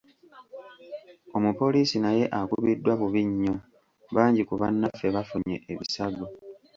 Omupoliisi naye akubiddwa bubi nnyo, bangi ku bannaffe bafunye ebisago.